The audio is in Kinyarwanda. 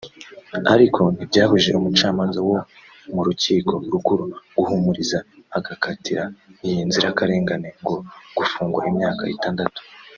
ariko ntibyabujije umucamanza wo mu rukiko rukuru guhumiriza agakatira iyi nzirakarengane ngo gufungwa imyaka itandatu